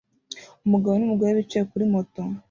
Umugabo n'umugore bicaye kuri moto